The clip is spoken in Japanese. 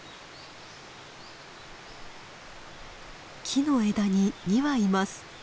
木の枝に２羽います。